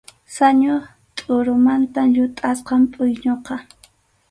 Sañu tʼurumanta llutʼasqam pʼuyñuqa.